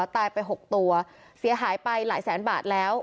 ตายไป๖ตัวเสียหายไปหลายแสนบาทแล้ว